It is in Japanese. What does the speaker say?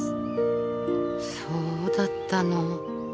そうだったの。